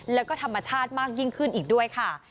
แล้วก็ธรรมชาติมากยิ่งขึ้นอีกด้วยค่ะ